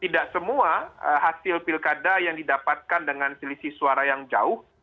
tidak semua hasil pilkada yang didapatkan dengan selisih suara yang jauh